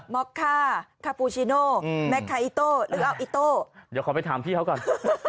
็อกค่าคาปูชิโน่แม็กคาอิโต้หรือเอาอิโต้เดี๋ยวขอไปถามพี่เขาก่อน